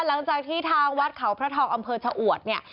หลังจากที่ทางวัดเขาพระทองอำเภอเฉาะ